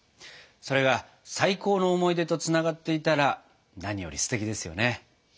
それが最高の思い出とつながっていたら何よりすてきですよね。